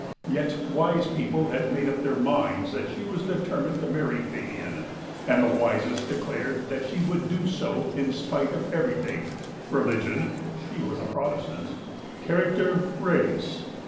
Yet wise people had made up their minds that she was determined to marry Fabian, and the wisest declared that she would do so in spite of every thing — religion (she was a Protestant), character, race.